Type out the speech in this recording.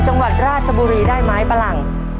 จังหวัดราชบุรีได้ไหมปะหลัง